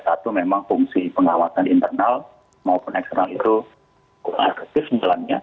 satu memang fungsi pengawasan internal maupun eksternal itu kurang efektif sebenarnya